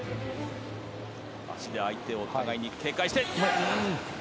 足で相手を互いに警戒して。